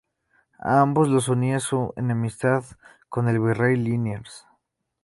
A ambos los unía su enemistad con el virrey Liniers.